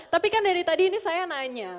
tapi kan dari tadi ini saya nanya